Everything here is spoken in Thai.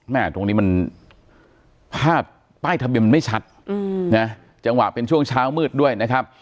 ตรงนี้มันภาพป้ายทะเบียนมันไม่ชัดนะจังหวะเป็นช่วงเช้ามืดด้วยนะครับ